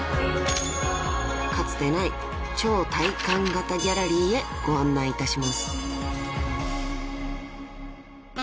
［かつてない超体感型ギャラリーへご案内いたします］